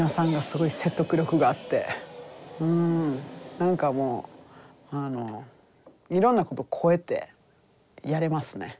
何かもういろんなこと超えてやれますね。